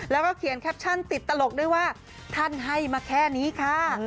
แล้วก็เขียนแคปชั่นติดตลกด้วยว่าท่านให้มาแค่นี้ค่ะ